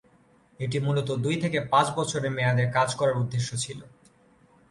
এটি মূলত দুই থেকে পাঁচ বছরের মেয়াদে কাজ করার উদ্দেশ্যে ছিল।